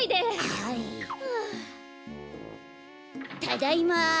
ただいま。